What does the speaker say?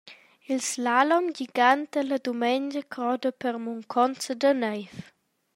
Il slalom gigant dalla dumengia croda per munconza da neiv.